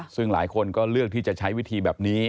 ซึ่งหลายคนก็เลือกที่จะใช้วิธีแบบนี้